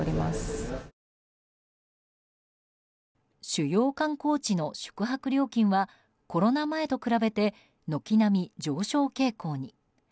主要観光地の宿泊料金はコロナ前と比べて軒並み上昇傾向に。